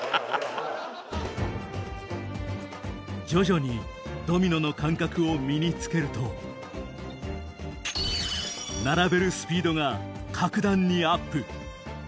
徐々にドミノの間隔を身に付けると並べるスピードが格段にアップ